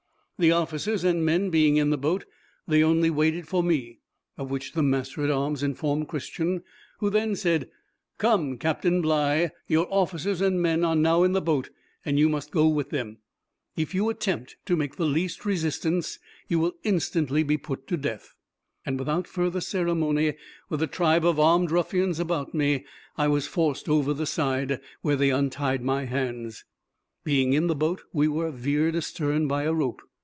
The officers and men being in the boat, they only waited for me, of which the master at arms informed Christian; who then said, "Come, Captain Bligh, your officers and men are now in the boat, and you must go with them; if you attempt to make the least resistance, you will instantly be put to death:" and without further ceremony, with a tribe of armed ruffians about me, I was forced over the side, where they untied my hands. Being in the boat, we were veered astern by a rope.